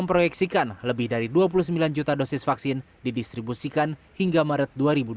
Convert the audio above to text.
memproyeksikan lebih dari dua puluh sembilan juta dosis vaksin didistribusikan hingga maret dua ribu dua puluh